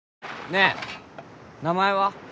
ねぇ名前は？